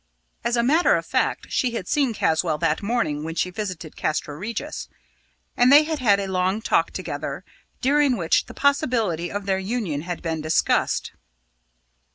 As a matter of fact, she had seen Caswall that morning when she visited Castra Regis, and they had had a long talk together, during which the possibility of their union had been discussed.